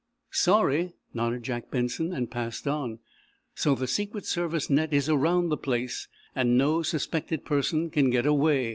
"Sorry," nodded Jack Benson, and passed on. "So the Secret Service net is around the place, and no suspected person can get away?"